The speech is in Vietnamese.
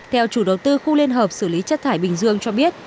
theo chủ đầu tư khu liên hợp xử lý chất thải bình dương cho biết